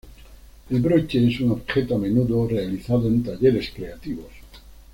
El broche es un objeto a menudo, realizado en talleres creativos.